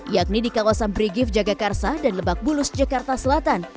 yakni di kawasan brigif jagakarsa dan lebak bulus jakarta selatan